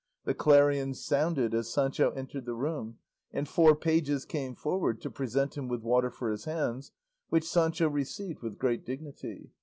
The clarions sounded as Sancho entered the room, and four pages came forward to present him with water for his hands, which Sancho received with great dignity.